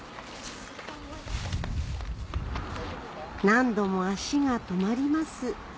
何度も足が止まります